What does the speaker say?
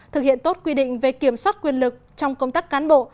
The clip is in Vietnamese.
thực hiện tốt quy định về kiểm soát quyền lực trong công tác cán bộ